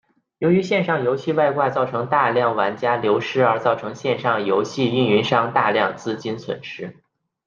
由于线上游戏外挂造成大量玩家流失而造成线上游戏营运商大量资金损失。